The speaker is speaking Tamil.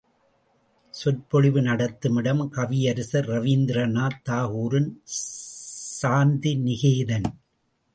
சொற்பொழிவு நடந்த இடம் கவியரசர் ரவீந்திரநாத் தாகூரின் சாந்திநிகேதன்.